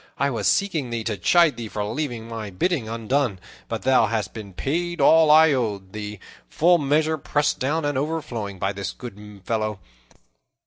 I was seeking thee, to chide thee for leaving my bidding undone; but thou hast been paid all I owed thee, full measure, pressed down and overflowing, by this good fellow.